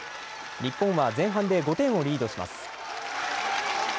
日本は前半で５点をリードします。